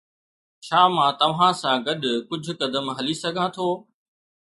ڇا مان توهان سان گڏ ڪجهه قدم هلي سگهان ٿو؟